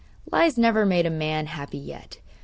Lies never made a man happy yet.